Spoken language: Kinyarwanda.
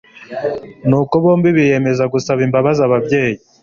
nuko bombi biyemeza gusaba imbabazi ababyeyi